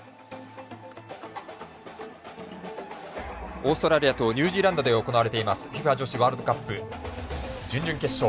オーストラリアとニュージーランドで行われていますＦＩＦＡ女子ワールドカップ準々決勝。